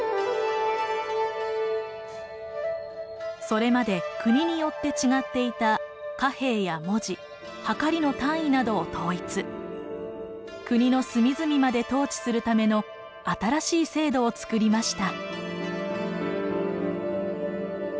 それまで国によって違っていた貨幣や文字はかりの単位などを統一国の隅々まで統治するための新しい制度を作りました。